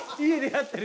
やってる。